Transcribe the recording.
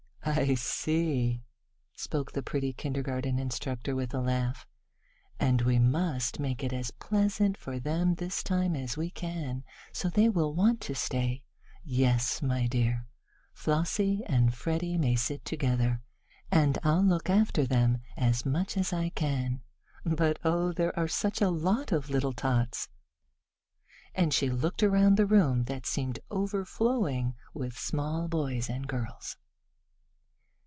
"I see," spoke the pretty kindergarten instructor with a laugh, "and we must make it as pleasant for them this time as we can, so they will want to stay. Yes, my dear, Flossie and Freddie may sit together, and I'll look after them as much as I can. But, oh, there are such a lot of little tots!" and she looked about the room that seemed overflowing with small boys and girls.